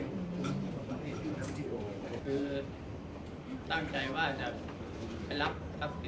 คือตั้งใจว่าจะไปรับทรัพย์ขึ้น